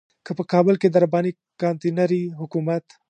که په کابل کې د رباني کانتينري حکومت.